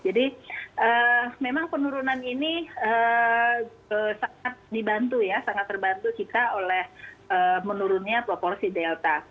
jadi memang penurunan ini sangat dibantu sangat terbantu kita oleh menurunnya proporsi delta